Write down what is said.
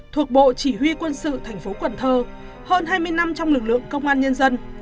thuộc bộ chỉ huy quân sự thành phố cần thơ hơn hai mươi năm trong lực lượng công an nhân dân